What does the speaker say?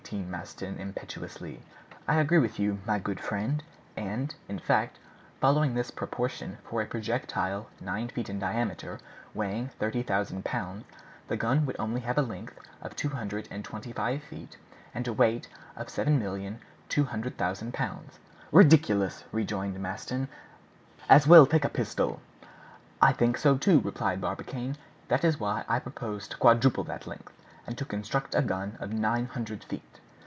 T. Maston impetuously. "I agree with you, my good friend; and, in fact, following this proportion for a projectile nine feet in diameter, weighing 30,000 pounds, the gun would only have a length of two hundred and twenty five feet, and a weight of 7,200,000 pounds." "Ridiculous!" rejoined Maston. "As well take a pistol." "I think so too," replied Barbicane; "that is why I propose to quadruple that length, and to construct a gun of nine hundred feet."